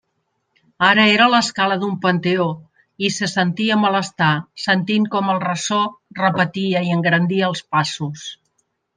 Ara era l'escala d'un panteó i se sentia malestar sentint com el ressò repetia i engrandia els passos.